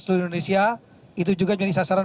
seluruh indonesia itu juga jadi sasaran